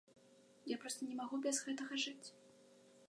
Я проста не магу без гэтага жыць.